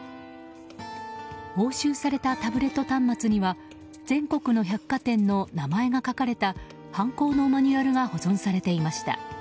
押収されたタブレット端末には全国の百貨店の名前が書かれた犯行のマニュアルが保存されていました。